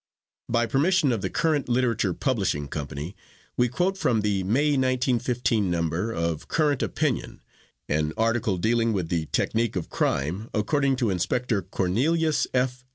By permission of the Current Literature Publishing Company, we quote from the May 1915 number of "Current Opinion" an article dealing with the technique of crime according to Inspector Cornelius F.